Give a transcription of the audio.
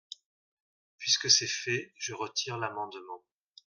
Puisque c’est fait, je retire l’amendement.